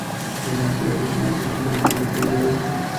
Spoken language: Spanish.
En la serie original, Vincent no tenía apellido.